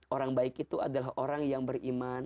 orang baik itu adalah orang yang beriman